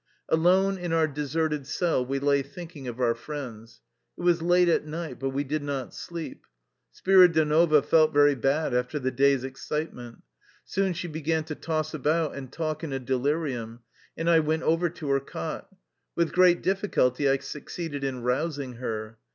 Alone in our deserted cell we lay thinking of our friends. It was late at night, but we did not sleep. Spiridonova felt very bad after the day's excitement. Soon she began to toss about and talk in a delirium, and I went over to her cot. With great difficulty I succeeded in rous ing her.